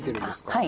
はい。